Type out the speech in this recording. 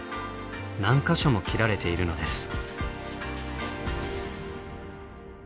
何か所も斬られているのです。